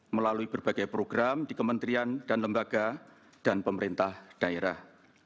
melalui berbagai program di kementerian dan lembaga dan pemerintah daerah